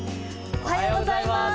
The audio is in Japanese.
おはようございます。